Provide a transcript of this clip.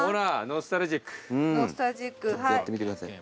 ノスタルジックはい。